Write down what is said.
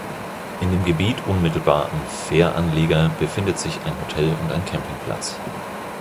In dem Gebiet unmittelbar am Fähranleger befindet sich ein Hotel und ein Campingplatz.